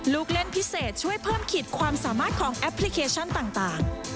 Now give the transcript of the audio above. ลูกเล่นพิเศษช่วยเพิ่มขีดความสามารถของแอปพลิเคชันต่าง